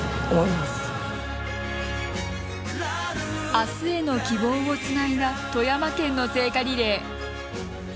あすへの希望をつないだ富山県の聖火リレー。